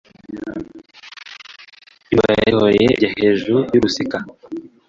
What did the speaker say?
Imbeba yarihoreye ijya hejuru yurusika